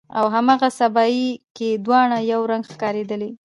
او هاغه سبایي کې دواړه یو رنګ ښکاریدلې